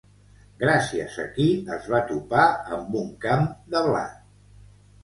Gràcies a qui es va topar amb un camp de blat?